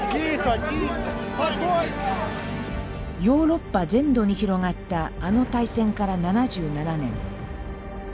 ヨーロッパ全土に広がったあの大戦から７７年。